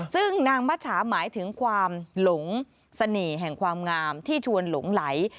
ซึ่งนางมัชชาหมายถึงความหลงเสน่ห์แห่งความงามที่ชวนหลงไหล